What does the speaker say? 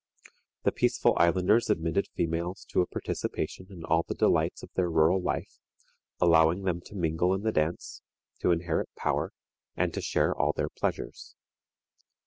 The peaceful islanders admitted females to a participation in all the delights of their rural life, allowing them to mingle in the dance, to inherit power, and to share all their pleasures.